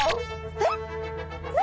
えっ？